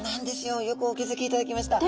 よくお気付きいただきました。